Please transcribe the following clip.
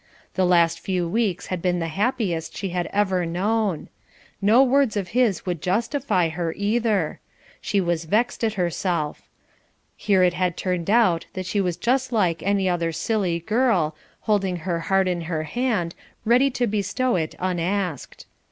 The last few weeks had been the happiest she had ever known. No words of his would justify her, either. She was vexed at herself. Here it had turned out that she was just like any other silly girl, holding her heart in her hand, ready to bestow it unasked.